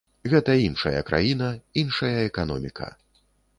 Гэта іншая краіна, іншая эканоміка.